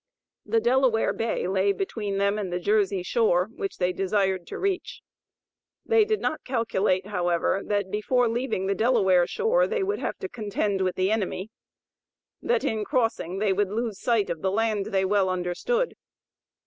The Delaware Bay lay between them and the Jersey shore, which they desired to reach. They did not calculate, however, that before leaving the Delaware shore they would have to contend with the enemy. That in crossing, they would lose sight of the land they well understood.